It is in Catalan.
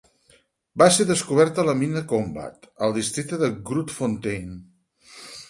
Va ser descoberta a la mina Kombat, al Districte Grootfontein.